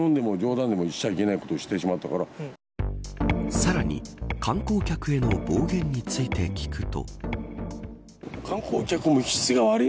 さらに観光客への暴言について聞くと。